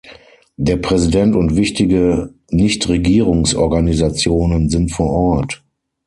Der Präsident und wichtige Nichtregierungsorganisationen sind vor Ort.